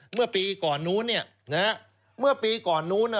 เมื่อปีก่อนนู้น